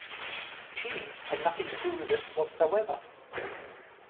Jeeves had nothing to do with it whatsoever.